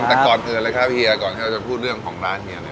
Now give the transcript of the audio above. แต่ก่อนอื่นเลยครับเฮียก่อนที่เราจะพูดเรื่องของร้านเฮีย